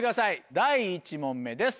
第１問目です。